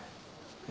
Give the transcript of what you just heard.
え？